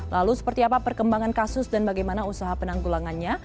lalu seperti apa perkembangan kasus dan bagaimana usaha penanggulangannya